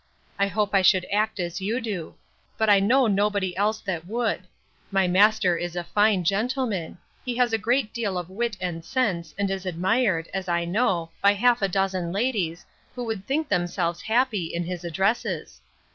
I hope I should act as you do. But I know nobody else that would. My master is a fine gentleman; he has a great deal of wit and sense, and is admired, as I know, by half a dozen ladies, who would think themselves happy in his addresses.